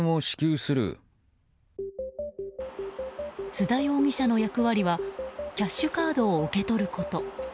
須田容疑者の役割はキャッシュカードを受け取ること。